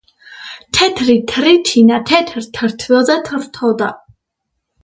თეთრი თრითინა, თეთრ თრთვილზე თრთოდა